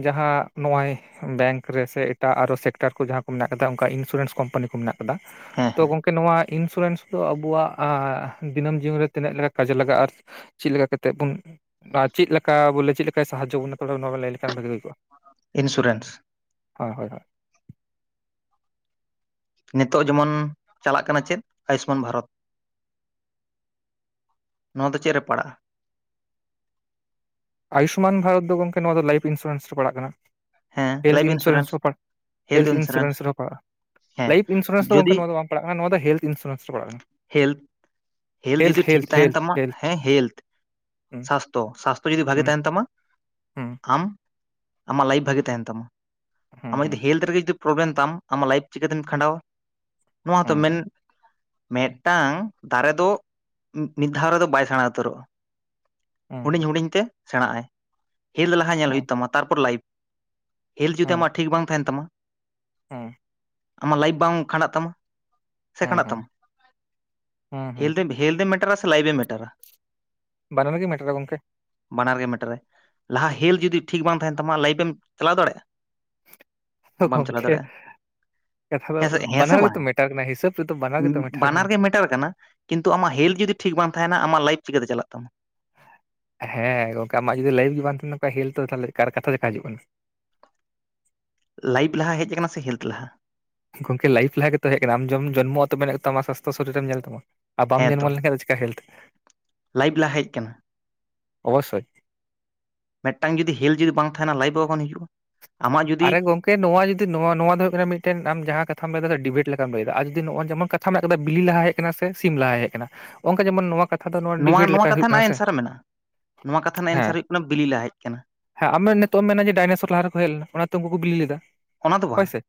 ᱡᱟᱦᱟᱸ ᱱᱚᱜᱼᱚᱭ ᱵᱮᱝᱠ ᱨᱮ ᱥᱮ ᱮᱴᱟᱜ ᱟᱨᱦᱚ ᱥᱮᱠᱴᱟᱨ ᱠᱚ ᱡᱟᱦᱟᱸ ᱠᱚ ᱢᱮᱱᱟᱜ ᱟᱠᱟᱫᱟ ᱚᱱᱠᱟ ᱤᱱᱥᱩᱨᱮᱱᱥ ᱠᱳᱢᱯᱟᱱᱤ ᱠᱚ ᱢᱮᱱᱟᱜ ᱟᱠᱟᱫᱟ ᱦᱮᱸ ᱛᱚ ᱜᱚᱝ ᱦᱮᱸ ᱜᱚᱝᱠᱮ ᱱᱚᱣᱟ ᱤᱱᱥᱩᱨᱮᱱᱥ ᱫᱚ ᱟᱵᱚᱣᱟᱜ ᱫᱤᱱᱟᱹᱢ ᱡᱤᱭᱚᱱ ᱨᱮ ᱛᱤᱱᱟᱹᱜ ᱞᱮᱠᱟ ᱠᱟᱡᱮ ᱞᱟᱜᱟᱜᱼᱟ? ᱪᱮᱫ ᱞᱮᱠᱟ ᱠᱟᱛᱮᱜ ᱵᱚᱱ ᱟᱨ ᱪᱮᱫ ᱞᱮᱠᱟ ᱵᱚᱞᱮ ᱪᱮᱫ ᱞᱮᱠᱟ ᱥᱟᱦᱟᱡᱚ ᱵᱚᱱᱟ ᱞᱟᱹᱭ ᱞᱮᱠᱷᱟᱱ ᱵᱷᱟᱜᱤ ᱦᱩᱭᱠᱚᱜᱼᱟ? ᱤᱱᱥᱩᱨᱮᱱᱥ᱾ ᱦᱳᱭ ᱦᱳᱭ ᱦᱳᱭ᱾ ᱱᱤᱛᱚᱜ ᱡᱮᱢᱚᱱ ᱪᱟᱞᱟᱜ ᱠᱟᱱᱟ ᱪᱮᱫ ᱟᱭᱩᱥᱢᱟᱱ ᱵᱷᱟᱨᱚᱛ᱾ ᱱᱚᱣᱟ ᱫᱚ ᱪᱮᱫ ᱨᱮ ᱯᱟᱲᱟᱜᱼᱟ? ᱟᱭᱩᱥᱢᱟᱱ ᱵᱷᱟᱨᱚᱛ ᱫᱚ ᱜᱚᱢᱠᱮ ᱱᱚᱣᱟ ᱫᱚ ᱞᱟᱭᱤᱵ ᱤᱱᱥᱩᱨᱮᱱᱥ ᱨᱮ ᱯᱟᱲᱟᱜ ᱠᱟᱱᱟ᱾ ᱦᱮᱸ ᱦᱮᱞ ᱞᱟᱭᱤᱯᱷ ᱤᱱᱥᱩᱨᱮᱱᱥ ᱦᱚᱸ ᱦᱮᱞ ᱤᱱᱥᱩᱨᱮᱱᱥ ᱨᱮᱦᱚᱸ ᱯᱟᱲᱟᱜᱼᱟ᱾ ᱦᱮᱸ ᱞᱟᱭᱤᱯ ᱤᱱᱥᱩᱨᱮᱱᱥ ᱫᱚ ᱡᱩᱫᱤ ᱜᱚᱝᱠᱮ ᱱᱚᱣᱟ ᱫᱚ ᱵᱟᱝ ᱯᱟᱲᱟᱜ ᱠᱟᱱᱟ ᱱᱚᱣᱟ ᱫᱚ ᱦᱮᱞ ᱤᱱᱥᱩᱨᱮᱱᱥ ᱨᱮ ᱯᱟᱲᱟᱜ ᱠᱟᱱᱟ᱾ ᱦᱮᱞᱛ ᱦᱮᱞᱛᱷ ᱡᱩᱫᱤ ᱴᱷᱤᱠ ᱦᱮᱞᱛᱷ ᱛᱟᱦᱮᱱ ᱦᱮᱞᱛᱷ ᱛᱟᱢᱟ ᱦᱮᱞᱛᱷ ᱦᱮᱸ ᱦᱮᱞᱛ ᱦᱩᱸ ᱥᱟᱥᱛᱷᱚ ᱥᱟᱥᱛᱷᱚ ᱡᱚᱫᱤ ᱵᱷᱟᱜᱮ ᱦᱩᱸ ᱛᱟᱦᱮᱱ ᱛᱟᱢᱟ ᱦᱩᱸ ᱟᱢ ᱟᱢᱟᱜ ᱞᱟᱭᱤᱯ ᱵᱷᱟᱜᱤ ᱛᱟᱦᱮᱱ ᱛᱟᱢᱟ ᱦᱩᱸ ᱟᱢᱟᱜ ᱦᱩᱸ ᱦᱩᱸ ᱡᱩᱫᱤ ᱦᱮᱞ ᱨᱮᱜᱮ ᱡᱩᱫᱤ ᱯᱨᱚᱜᱮᱢ ᱛᱟᱢ ᱟᱢᱟᱜ ᱞᱟᱭᱤᱯ ᱪᱤᱠᱟᱹᱛᱮᱢ ᱠᱷᱟᱸᱰᱟᱣᱟ ᱱᱚᱣᱟᱛᱚ ᱦᱩᱸ ᱢᱮᱱ ᱢᱤᱫᱴᱟᱝ ᱫᱟᱨᱮ ᱫᱚ ᱢᱤᱫ ᱫᱷᱟᱣ ᱨᱮᱫᱚ ᱵᱟᱭ ᱥᱮᱬᱟ ᱩᱛᱟᱹᱨᱚᱜᱼᱟ᱾ ᱦᱩᱸ, ᱦᱩᱰᱤᱧ ᱦᱩᱰᱤᱧ ᱛᱮ ᱥᱮᱬᱟᱜ ᱟᱭ ᱦᱮᱞ ᱞᱟᱦᱟ ᱧᱮᱞ ᱦᱩᱸ, ᱦᱩᱭᱩᱜ ᱛᱟᱢᱟ ᱛᱟᱨᱯᱚᱨ ᱞᱟᱭᱤᱯ᱾ ᱦᱮᱞ ᱡᱩᱫᱤ ᱟᱢᱟᱜ ᱴᱷᱤᱠ ᱵᱟᱝ ᱛᱟᱦᱮᱱ ᱛᱟᱢᱟ ᱦᱮᱸ ᱟᱢᱟᱜ ᱞᱟᱭᱤᱯ ᱵᱟᱝ ᱠᱷᱟᱸᱰᱟᱜ ᱛᱟᱢᱟ ᱥᱮ ᱦᱩᱸ, ᱠᱷᱟᱸᱰᱟᱜ ᱦᱩᱸ, ᱛᱟᱢᱟ? ᱦᱩᱸ, ᱦᱩᱸ, ᱦᱮᱞᱛ ᱦᱮᱞᱛ ᱮ ᱢᱮᱴᱟᱨᱟ ᱥᱮ ᱞᱟᱭᱤᱯ ᱮᱢ ᱢᱮᱴᱟᱨᱟ᱾ ᱵᱟᱱᱟᱨ ᱜᱮ ᱢᱮᱴᱟᱨᱟ ᱜᱚᱢᱠᱮ᱾ ᱵᱟᱱᱟᱨ ᱜᱮ ᱢᱮᱴᱟᱨᱟ ᱞᱟᱦᱟ ᱦᱮᱞᱛ ᱡᱩᱫᱤ ᱴᱷᱤᱠ ᱵᱟᱝ ᱛᱟᱦᱮᱱ ᱛᱟᱢᱟ᱾ ᱞᱟᱭᱤᱯᱮᱢ ᱪᱟᱞᱟᱣ ᱫᱟᱲᱮᱭᱟᱜᱼᱟ? ᱵᱟᱢ ᱪᱟᱞᱟᱣ ᱜᱚᱢᱠᱮ ᱫᱟᱲᱮᱭᱟᱜᱼᱟ ᱠᱟᱛᱷᱟ ᱫᱚ ᱦᱮᱸ ᱥᱮ ᱦᱮᱸ ᱥᱮ ᱵᱟᱱᱟᱨ ᱵᱟᱝ ᱜᱮᱛᱚ ᱢᱮᱴᱟᱨ ᱠᱟᱱᱟ ᱦᱤᱥᱟᱹᱵ ᱨᱮᱫᱚ ᱵᱟᱱᱟᱨ ᱜᱮᱛᱚ ᱢᱮᱴᱟᱨ ᱠᱟᱱᱟ᱾ ᱜᱮ ᱢᱮᱴᱟᱨ ᱠᱟᱱᱟ ᱠᱤᱱᱛᱩ ᱟᱢᱟᱜ ᱦᱮᱞᱛ ᱡᱩᱫᱤ ᱴᱷᱤᱠ ᱵᱟᱝ ᱛᱟᱦᱮᱱᱟ ᱟᱢ ᱞᱟᱭᱤᱯᱷ ᱪᱤᱠᱟᱹᱛᱮ ᱪᱟᱞᱟᱜ ᱛᱟᱢᱟ ᱦᱮᱸ ᱜᱚᱝᱠᱮ ᱟᱢᱟᱜ ᱡᱩᱫᱤ ᱞᱟᱭᱤᱯᱷ ᱜᱮ ᱵᱟᱝ ᱛᱟᱦᱮᱱ ᱱᱚᱝᱠᱟ ᱦᱮᱞ ᱛᱚ ᱛᱟᱦᱚᱞᱮ ᱠᱟᱨ ᱠᱟᱛᱷᱟ ᱪᱮᱠᱟᱹ ᱦᱤᱡᱩᱜ ᱠᱟᱱᱟ ᱞᱟᱭᱤᱯᱷ ᱞᱟᱦᱟ ᱦᱮᱡ ᱠᱟᱱᱟ ᱥᱮ ᱦᱮᱞᱛ ᱞᱟᱦᱟ? ᱜᱚᱢᱠᱮ ᱞᱟᱭᱤᱯᱷ ᱞᱟᱦᱟ ᱜᱮᱛᱚ ᱦᱮᱡ ᱠᱟᱱᱟ ᱟᱢ ᱡᱚᱢ ᱡᱚᱨᱢᱚ ᱠᱟᱛᱮ ᱧᱮᱞ ᱛᱟᱢᱟᱢ ᱥᱟᱥᱛᱷᱚ ᱥᱚᱨᱤᱨ ᱨᱮᱢ ᱧᱮᱞ ᱛᱟᱢᱟ᱾ ᱟᱨ ᱵᱟᱢ ᱡᱚᱨᱢᱚ ᱞᱮᱱᱠᱷᱟᱱᱡ ᱫᱚ ᱪᱮᱠᱟᱹ ᱦᱮᱞᱛ ᱞᱟᱭᱤᱯ ᱞᱟᱦᱟ ᱦᱮᱡ ᱟᱠᱟᱱᱟ᱾ ᱚᱵᱚᱥᱚᱭ ᱢᱤᱫᱴᱟᱝ ᱡᱩᱫᱤ ᱦᱮᱞᱛ ᱡᱩᱫᱤ ᱵᱟᱝ ᱛᱟᱦᱮᱱᱟ᱾ ᱞᱟᱭᱤᱯ ᱚᱠᱟ ᱠᱷᱚᱱ ᱦᱤᱡᱩᱜᱼᱟ? ᱟᱢᱟᱜ ᱡᱩᱫᱤ ᱟᱨᱨᱮ ᱜᱚᱢᱠᱮ ᱱᱚᱣᱟ ᱡᱩᱫᱤ ᱱᱚᱣᱟ ᱫᱚ ᱦᱩᱭᱩᱜ ᱠᱟᱱᱟ ᱢᱤᱫᱴᱮᱱ ᱟᱢ ᱡᱟᱦᱟᱸ ᱠᱛᱷᱟᱢ ᱞᱟᱹᱭᱮᱫᱟ ᱰᱤᱵᱮᱴ ᱞᱮᱠᱟᱢ ᱞᱟᱹᱭᱟ ᱟᱨ ᱡᱩᱫᱤ ᱱᱚᱜᱼᱟ ᱡᱮᱢᱚᱱ ᱢᱮᱱᱟᱜ ᱠᱟᱫᱟ ᱵᱤᱞᱤ ᱞᱟᱦᱟ ᱦᱮᱡ ᱟᱠᱟᱱᱟ ᱥᱮ ᱥᱤᱢ ᱞᱟᱦᱟ ᱦᱮᱡ ᱟᱠᱟᱱᱟ ᱚᱱᱠᱟ ᱡᱮᱢᱚᱱ ᱱᱚᱣᱟ ᱠᱟᱛᱷᱟ ᱫᱚ ᱱᱚᱣᱟ ᱰᱤᱵᱮᱴ ᱱᱚᱣᱟ ᱞᱮᱠᱟ ᱠᱟᱛᱷᱟ ᱦᱩᱭᱩᱜ ᱠᱟᱱᱟ ᱨᱮᱱᱟᱜ ᱥᱮ ᱮᱱᱥᱟᱨ ᱢᱮᱱᱟᱜᱼᱟ ᱱᱚᱣᱟ ᱠᱟᱛᱷᱟ ᱨᱮᱱᱟᱜ ᱦᱮᱸ ᱮᱱᱥᱟᱨ ᱦᱩᱭᱩᱜ ᱠᱟᱱᱟ ᱵᱤᱞᱤ ᱞᱟᱦᱟ ᱦᱮᱡ ᱟᱠᱟᱱᱟ᱾ ᱦᱮᱸ ᱟᱢ ᱱᱤᱛᱚᱜ ᱮᱢ ᱢᱮᱱᱟ ᱡᱮ ᱰᱟᱭᱱᱮᱥᱚᱨ ᱞᱟᱦᱟ ᱨᱮᱠᱚ ᱦᱮᱡ ᱞᱮᱱᱟ ᱚᱱᱟ ᱛᱮ ᱩᱱᱠᱩ ᱠᱚ ᱵᱤᱞᱤ ᱞᱮᱫᱟ ᱚᱱᱟ ᱫᱚ ᱦᱳᱭ ᱵᱟᱝ ᱥᱮ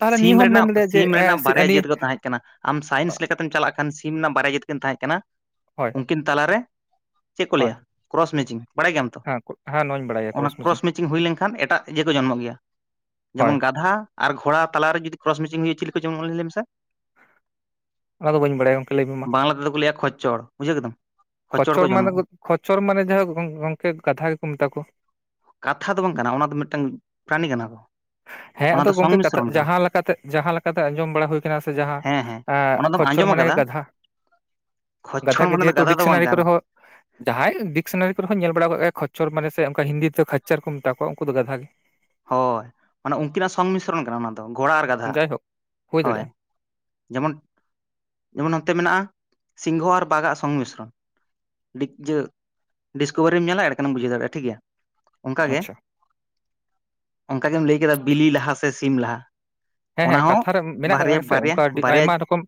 ᱛᱟᱦᱞᱮ ᱱᱤᱭᱟᱹ ᱥᱤᱢ ᱦᱚᱸᱢ ᱢᱮᱱ ᱨᱮᱱᱟᱜ ᱫᱟᱲᱮᱭᱜᱼᱟ ᱥᱤᱢ ᱨᱮᱱᱟᱜ ᱵᱟᱨᱭᱟ [unintelligible] [unintelligible] ᱟᱢ ᱥᱟᱭᱮᱱᱥ ᱞᱮᱠᱟᱛᱮᱢ ᱪᱟᱞᱟᱜ ᱠᱷᱟᱱ ᱥᱤᱢ ᱨᱮᱱᱟᱜ ᱵᱟᱨᱭᱟ ᱡᱟᱹᱛ ᱠᱤᱱ ᱛᱟᱦᱮᱸ ᱠᱟᱱᱟ ᱦᱳᱭ ᱩᱱᱠᱤᱱ ᱛᱟᱞᱟᱨᱮᱼᱼ ᱪᱮᱫ ᱠᱚ ᱦᱳᱭ ᱞᱟᱹᱭᱟ ᱠᱨᱚᱥ ᱢᱮᱪᱤᱝ ᱵᱟᱲᱟᱭ ᱜᱮᱭᱟᱢ ᱛᱚ ᱦᱮᱸ ᱦᱮᱸ ᱱᱚᱣᱟᱧ ᱵᱟᱲᱟᱭᱟ ᱚᱱᱟ ᱠᱨᱚᱥ ᱢᱮᱪᱤᱝ ᱦᱩᱭ ᱞᱮᱱ ᱠᱷᱟᱱ ᱮᱴᱟᱜ [unintelligible] ᱜᱮᱭᱟ ᱦᱳᱭ ᱡᱮᱢᱚᱱ ᱜᱟᱫᱷᱟ ᱟᱨ ᱜᱷᱚᱲᱟ ᱛᱟᱞᱟ ᱨᱮ ᱡᱩᱫᱤ ᱠᱨᱚᱥ ᱢᱤᱪᱤᱝ ᱦᱩᱭᱩᱜᱼᱟ ᱪᱤᱞᱤ ᱠᱚ ᱡᱚᱨᱢᱚᱜᱼᱟ ᱞᱟᱹᱭ ᱢᱮ ᱥᱮ ᱚᱱᱟ ᱫᱚ ᱵᱟᱹᱧ ᱵᱟᱲᱟᱭᱟ ᱜᱚᱝᱠᱮ ᱞᱟᱹᱭ ᱢᱮ ᱢᱟ ᱵᱟᱝᱞᱟ ᱛᱮ ᱫᱚ ᱠᱚ ᱞᱮᱭᱟ ᱠᱷᱚᱪᱪᱚᱲ ᱵᱩᱡᱷᱟᱹᱣ ᱠᱮᱫᱟᱢ ᱠᱚ ᱠᱷᱚᱪᱪᱚᱲ ᱢᱟᱱᱮ ᱡᱚᱱᱢᱚᱜᱼᱟ ᱠᱷᱚᱪᱪᱚᱲ ᱢᱟᱱᱮ ᱡᱟᱦᱟᱸ ᱜᱚᱝᱠᱮ ᱜᱟᱫᱷᱟ ᱜᱮ ᱠᱚ ᱢᱮᱛᱟ ᱠᱚᱣᱟ ᱠᱟᱛᱷᱟ ᱫᱚ ᱵᱟᱝ ᱠᱟᱱᱟ ᱚᱱᱟ ᱫᱚ ᱢᱤᱫᱴᱟᱝ ᱯᱨᱟᱱᱤ ᱠᱟᱱᱟ ᱠᱚ ᱦᱮᱸ ᱚᱱᱟ ᱟᱫᱚ ᱫᱚ ᱜᱚᱝᱠᱮ ᱠᱟᱛᱷᱟ ᱥᱚᱝᱢᱤᱥᱨᱚᱱ ᱠᱟᱱᱟ ᱡᱟᱦᱟᱸ ᱞᱮᱠᱟ ᱛᱮ ᱡᱟᱦᱟᱸ ᱞᱮᱠᱟ ᱛᱮ ᱟᱸᱡᱚᱢ ᱵᱟᱲᱟ ᱦᱩᱭ ᱠᱟᱱᱟ ᱥᱮ ᱡᱟᱦᱟᱸᱼᱼ ᱦᱮᱸ ᱦᱮᱸ ᱦᱟᱸ ᱚᱱᱟ ᱫᱚᱢ ᱠᱷᱚᱪᱪᱚᱲ ᱟᱸᱡᱚᱢ ᱢᱟᱱᱮ ᱟᱠᱟᱫᱟ ᱜᱮ ᱜᱟᱫᱷᱟ ᱠᱷᱚᱪᱪᱚᱲ ᱜᱮ ᱢᱟᱱᱮ ᱫᱚ ᱡᱮᱦᱮᱛᱩ ᱜᱟᱫᱷᱟ ᱫᱚ ᱵᱟᱝ ᱰᱤᱠᱥᱱᱟᱨᱤ ᱠᱟᱱᱟ ᱠᱚᱨᱮ ᱦᱚᱸ ᱡᱟᱦᱟᱸᱭ ᱰᱤᱠᱥᱱᱟᱨᱤ ᱠᱚᱨᱮ ᱦᱚᱸᱧ ᱧᱮᱞ ᱵᱟᱲᱟᱣ ᱟᱠᱟᱜ ᱜᱮᱭᱟ ᱠᱷᱚᱪᱚᱨ ᱢᱟᱱᱮ ᱥᱮ ᱚᱱᱠᱟ ᱦᱤᱱᱫᱤ ᱛᱮ ᱠᱷᱚᱪᱟᱨ ᱠᱚ ᱢᱮᱛᱟ ᱠᱚᱣᱟ ᱩᱱᱠᱩ ᱫᱚ ᱜᱟᱫᱷᱟ ᱜᱮ ᱦᱳᱭ ᱢᱟᱱᱮ ᱩᱱᱠᱤᱱᱟᱜ ᱥᱚᱝᱢᱤᱥᱨᱚᱱ ᱠᱟᱱᱟ ᱚᱱᱟ ᱫᱚ ᱜᱷᱚᱲᱟ ᱟᱨ ᱜᱟᱫᱷᱟ ᱜᱮ ᱡᱟᱭᱦᱳᱠ ᱦᱩᱭ ᱦᱳᱭ ᱫᱟᱲᱮᱭᱟᱜᱼᱟ ᱡᱮᱢᱚᱱ ᱡᱮᱢᱚᱱ ᱱᱚᱛᱮ ᱢᱮᱱᱟᱜᱼᱟ ᱥᱤᱝᱦᱚᱸ ᱟᱨ ᱵᱟᱠᱟᱜ ᱥᱚᱝᱢᱤᱥᱨᱚᱱ [unintelligible] ᱰᱤᱥᱠᱳᱵᱷᱟᱨᱤᱢ ᱧᱮᱞᱟ ᱮᱰᱮᱠᱷᱟᱱᱮᱢ ᱵᱩᱡᱷᱟᱹ ᱫᱟᱲᱮᱭᱟᱜᱼᱟ ᱴᱷᱤᱠ ᱜᱮᱭᱟ ᱚᱱᱠᱟ ᱜᱮ ᱟᱪᱪᱷᱟ ᱚᱱᱠᱟ ᱜᱮᱢ ᱞᱟᱹᱭ ᱠᱮᱫᱟ ᱵᱤᱞᱤ ᱞᱟᱦᱟ ᱥᱮ ᱥᱤᱢ ᱞᱟᱦᱟᱼᱼ ᱦᱮᱸ ᱦᱮᱸ ᱠᱟᱛᱷᱟ ᱨᱮ ᱢᱮᱱᱟᱜ ᱟᱠᱟᱫᱟ ᱜᱮ ᱥᱮ ᱚᱱᱠᱟ ᱵᱟᱨᱭᱟ ᱟᱭᱢᱟ ᱨᱚᱠᱚᱢ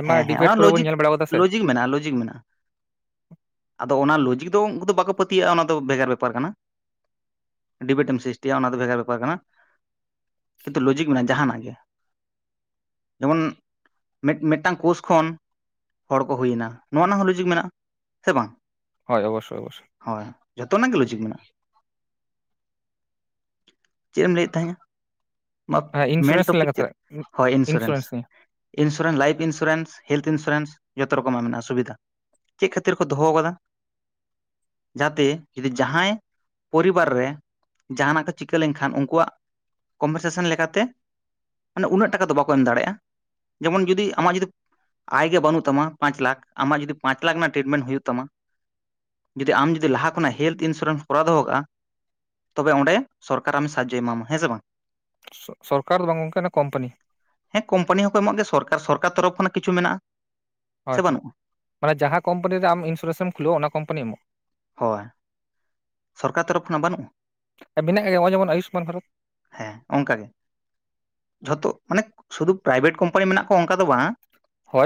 ᱟᱭᱢᱟ ᱦᱮᱸ ᱦᱮᱸ ᱰᱤᱵᱮᱴ ᱚᱱᱟ ᱠᱚᱨᱮ ᱵᱚᱱ ᱞᱚᱡᱤᱠ ᱧᱮᱞ ᱵᱟᱲᱟ ᱟᱠᱟᱫᱟ ᱥᱮ ᱞᱚᱡᱤᱠ ᱢᱮᱱᱟᱜᱼᱟ ᱞᱚᱡᱤᱠ ᱢᱮᱱᱟᱜᱼᱟ ᱟᱫᱚ ᱚᱱᱟ ᱞᱚᱡᱤᱠ ᱫᱚ ᱩᱱᱠᱩ ᱫᱚ ᱵᱟᱠᱚ ᱯᱟᱹᱛᱭᱟᱹᱜᱼᱟ ᱚᱱᱟ ᱫᱚ ᱵᱷᱮᱜᱟᱨ ᱵᱮᱯᱟᱨ ᱠᱟᱱᱟ ᱰᱤᱵᱤᱴ ᱮᱢ ᱥᱤᱥᱴᱤᱭᱟ ᱚᱱᱟ ᱫᱚ ᱵᱷᱮᱜᱟᱨ ᱵᱮᱯᱟᱨ ᱠᱟᱱᱟ ᱠᱤᱱᱛᱩ ᱞᱚᱡᱤᱠ ᱢᱮᱱᱟᱜᱼᱟ ᱡᱟᱦᱟᱱᱟᱜ ᱜᱮ ᱡᱮᱢᱚᱱᱼᱼ ᱢᱤᱫ ᱢᱤᱫᱴᱟᱝ ᱠᱳᱥ ᱠᱷᱚᱱ ᱦᱚᱲ ᱠᱚ ᱦᱩᱭᱱᱟ ᱱᱚᱣᱟ ᱨᱮᱱᱟᱜ ᱦᱚᱸ ᱞᱩᱡᱤᱠ ᱢᱮᱱᱟᱜᱼᱟ ᱥᱮ ᱵᱟᱝ ᱦᱚᱭ ᱚᱵᱚᱥᱳᱭ ᱚᱵᱚᱥᱳᱭ ᱦᱳᱭ ᱡᱷᱚᱛᱚᱱᱟᱜ ᱜᱮ ᱞᱳᱡᱤᱠ ᱢᱮᱱᱟᱜᱼᱟ ᱪᱮᱫ ᱮᱢ ᱞᱟᱹᱭᱮᱫ ᱛᱟᱦᱮᱸᱜᱼᱟ ᱦᱮᱸ [unintelligible] ᱢᱮᱱ ᱤᱱᱥᱩᱨᱮᱱᱥ ᱨᱮᱞᱟᱝ ᱴᱚᱯᱤᱠ ᱪᱮᱫ ᱠᱟᱛᱷᱟᱜ ᱦᱳᱭ insurance insurance life insurance health insurance ᱡᱚᱛᱚ ᱨᱚᱠᱚᱢᱟᱜ ᱢᱮᱱᱟᱜᱼᱟ ᱥᱩᱵᱤᱫᱷᱟ ᱪᱮᱫ ᱠᱷᱟᱹᱛᱤᱨ ᱠᱚ ᱫᱚᱦᱚ ᱟᱠᱟᱫᱟ ᱡᱟᱛᱮ ᱡᱚᱫᱤ ᱡᱟᱦᱟᱸᱭ ᱯᱚᱨᱤᱵᱟᱨ ᱨᱮᱼᱼ ᱡᱟᱦᱟᱱᱟᱜ ᱠᱚ ᱪᱤᱠᱟᱹ ᱞᱮᱱ ᱠᱷᱟᱱ ᱩᱱᱠᱩᱣᱟᱜ ᱠᱚᱢᱯᱮᱱᱥᱮᱥᱮᱱ ᱞᱮᱠᱟ ᱛᱮᱼᱼ ᱢᱟᱱᱮ ᱩᱱᱟᱹᱜ ᱴᱟᱠᱟ ᱫᱚ ᱵᱟᱠᱚ ᱮᱢ ᱫᱟᱲᱮᱜᱼᱟ ᱡᱮᱢᱚᱱ ᱡᱩᱫᱤ ᱟᱢᱟᱜ ᱡᱩᱫᱤᱼᱼ ᱟᱸᱭ‌ ᱜᱮ ᱵᱟᱹᱱᱩᱜ ᱛᱟᱢᱟ ᱯᱟᱸᱪ ᱞᱟᱠᱷ ᱟᱢᱟᱜ ᱡᱩᱫᱤ ᱯᱟᱸᱪ ᱞᱟᱠᱷ ᱨᱮᱱᱟᱜ ᱴᱨᱤᱴᱢᱮᱱᱴ ᱦᱩᱭᱩᱜ ᱛᱟᱢᱟ ᱡᱩᱫᱤ ᱟᱢ ᱡᱩᱫᱤ ᱞᱟᱦᱟ ᱠᱷᱚᱱᱟᱜ ᱦᱮᱞᱛᱷ ᱤᱱᱥᱩᱨᱮᱱᱥ ᱠᱚᱨᱟᱣ ᱫᱚᱦᱚ ᱠᱟᱜᱼᱟ ᱛᱚᱵᱮ ᱚᱸᱰᱮ ᱥᱚᱨᱠᱟᱨ ᱟᱢ ᱥᱟᱦᱟᱡᱚᱭ ᱮᱢᱟᱢᱟ ᱦᱮᱸ ᱥᱮ ᱵᱟᱝ [unintelligible] ᱥᱚᱨᱠᱟᱨ ᱫᱚ ᱵᱟᱝ ᱜᱚᱢᱠᱮ ᱠᱚᱢᱯᱟᱱᱤ ᱦᱮᱸ ᱠᱳᱢᱯᱟᱱᱤ ᱦᱚᱸᱠᱚ ᱮᱢᱚᱜ ᱜᱮᱭᱟ ᱥᱚᱨᱠᱟᱨ ᱥᱚᱨᱠᱟᱨ ᱛᱚᱨᱚᱯ ᱠᱷᱚᱱᱟᱜ ᱠᱤᱪᱷᱩ ᱢᱮᱱᱟᱜᱼᱟ ᱦᱳᱭ ᱥᱮ ᱦᱳᱭ ᱵᱟᱹᱱᱩᱜᱼᱟ ᱢᱟᱱᱮ ᱡᱟᱦᱟᱸ ᱠᱳᱢᱯᱟᱱᱤ ᱨᱮ ᱟᱢᱤᱱᱥᱩᱨᱮᱱᱥᱮ ᱠᱷᱩᱞᱟᱹᱣᱟ ᱚᱱᱟ ᱠᱳᱢᱯᱟᱱᱤ ᱮᱢᱚᱜᱼᱟ ᱦᱳᱭ ᱥᱚᱨᱠᱟᱨ ᱛᱚᱨᱚᱯᱷ ᱠᱷᱚᱱᱟᱜ ᱵᱟᱹᱱᱩᱜᱼᱟ ᱢᱮᱱᱟᱜ ᱜᱮᱭᱟ ᱱᱚᱜᱼᱚᱭ ᱡᱮᱢᱚᱱ ᱟᱭᱩᱥᱢᱟᱱ ᱵᱷᱟᱨᱚᱛ ᱦᱮᱸ ᱚᱱᱠᱟ ᱜᱮ ᱡᱷᱚᱛᱚ ᱢᱟᱱᱮ ᱥᱩᱫᱷᱩ ᱯᱨᱟᱭᱵᱷᱮᱴ ᱠᱳᱢᱯᱟᱱᱤ ᱢᱮᱱᱟᱜ ᱠᱚᱣᱟ ᱚᱱᱠᱟ ᱫᱚ ᱵᱟᱝᱼᱟ ᱦᱚᱭ